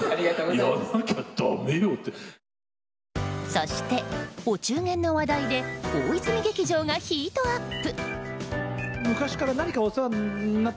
そして、お中元の話題で大泉劇場がヒートアップ。